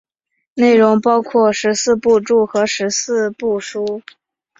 内容包括十四部注和十三部疏。